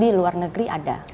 di luar negeri ada